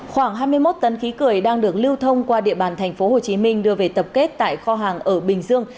khoảng hai mươi một tấn khí cười đang được lưu thông qua địa bàn tp hcm đưa về tập kết tại kho hàng ở bình dương